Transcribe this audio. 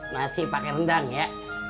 nasi pakai rendang ya